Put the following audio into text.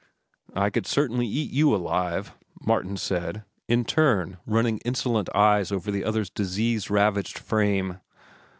"I could certainly eat you alive," Martin said, in turn running insolent eyes over the other's disease ravaged frame.